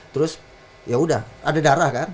terus ya udah ada darah kan